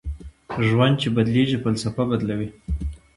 ژوند چې بدلېږي فلسفه بدلوي